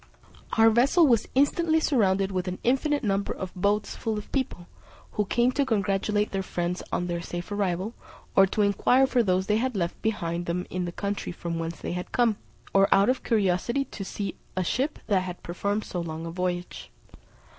Our vessel was instantly surrounded with an infinite number of boats full of people, who came to congratulate their friends on their safe arrival, or to inquire for those they had left behind them in the country from whence they had come, or out of curiosity to see a ship that had performed so long a voyage.